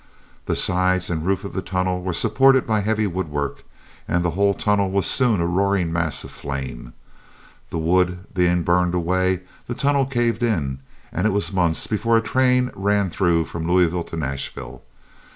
The sides and roof of the tunnel were supported by heavy woodwork, and the whole tunnel was soon a roaring mass of flame. The wood being burned away the tunnel caved in, and it was months before a train ran through from Louisville to Nashville.